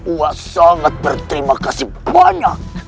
wah sangat berterima kasih banyak